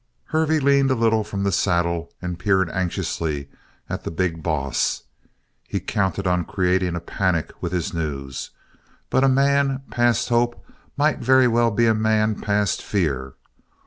Hervey leaned a little from the saddle and peered anxiously at the "big boss." He counted on creating a panic with his news. But a man past hope might very well be a man past fear.